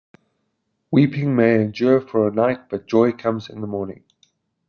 'Weeping may endure for a night, but joy comes in the morning.